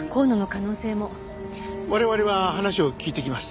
我々は話を聞いてきます。